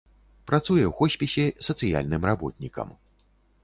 Працуе ў хоспісе сацыяльным работнікам.